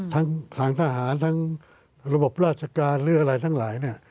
ทั้งทางทหารทั้งระบบราชการหรืออะไรทั้งหลายเนี่ย